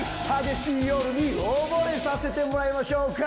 激しい夜に溺れさせてもらいましょう。